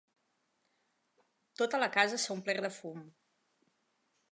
Tota la casa s'ha omplert de fum.